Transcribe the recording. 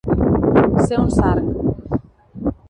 Ser un sarg.